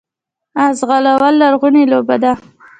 اس ځغلول لرغونې لوبه ده